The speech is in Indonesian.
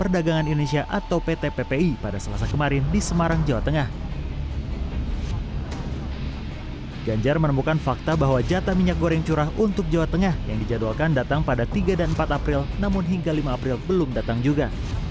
datang pada tiga dan empat april namun hingga lima april belum datang juga